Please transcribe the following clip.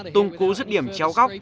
tung cú giấc điểm chéo góc